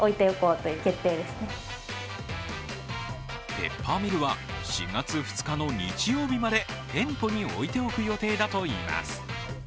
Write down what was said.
ペッパーミルは４月２日の日曜日まで店舗に置いておく予定だといいます。